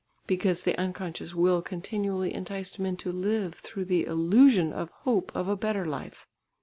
Because the unconscious Will continually enticed men to live through the illusion of hope of a better life.